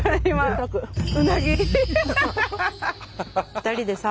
２人でさ